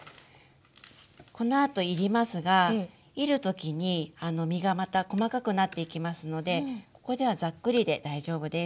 このあといりますがいる時に身がまた細かくなっていきますのでここではザックリで大丈夫です。